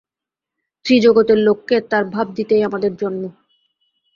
ত্রিজগতের লোককে তাঁর ভাব দিতেই আমাদের জন্ম।